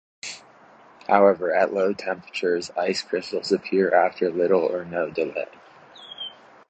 However, at lower temperatures ice crystals appear after little or no delay.